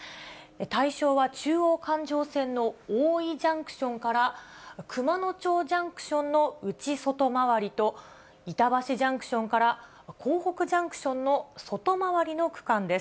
対象は中央環状線の大井ジャンクションから熊野町ジャンクションの内、外回りと、板橋ジャンクションから江北ジャンクションの外回りの区間です。